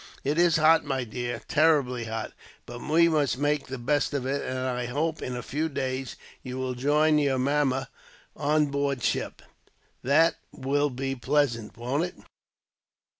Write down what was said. "It is hot, my dear, terribly hot, but we must make the best of it; and I hope, in a few days, you will join your mamma on board ship. That will be pleasant, won't it?"